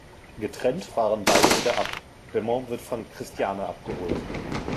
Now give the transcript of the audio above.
Getrennt fahren beide wieder ab; Demant wird von Christiane abgeholt.